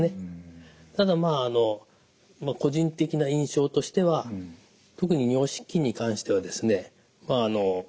ただまああの個人的な印象としては特に尿失禁に関してはですね